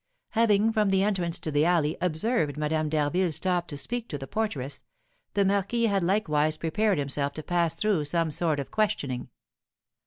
Having, from the entrance to the alley, observed Madame d'Harville stop to speak to the porteress, the marquis had likewise prepared himself to pass through some sort of questioning.